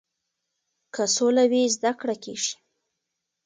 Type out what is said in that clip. که سوله وي زده کړه کیږي.